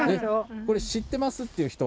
これ知ってますっていう人は？